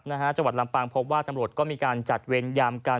จังหวัดลำปางพบว่าตำรวจก็มีการจัดเวรยามกัน